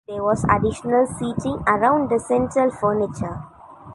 There was additional seating around the central furniture.